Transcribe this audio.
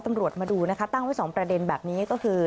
มาดูนะคะตั้งไว้๒ประเด็นแบบนี้ก็คือ